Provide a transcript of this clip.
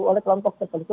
oleh kelompok tertentu